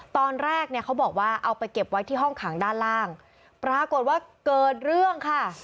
ตอนแรกเนี่ยเขาบอกว่าเอาไปเก็บไว้ที่ห้องขังด้านล่างปรากฏว่าเกิดเรื่องค่ะ